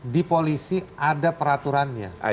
di polisi ada peraturannya